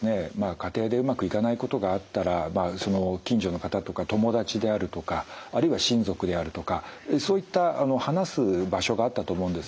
家庭でうまくいかないことがあったら近所の方とか友達であるとかあるいは親族であるとかそういった話す場所があったと思うんですよね。